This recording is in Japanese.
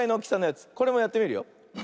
これもやってみるよ。